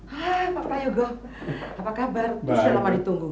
hah pak prayogo apa kabar sudah lama ditunggu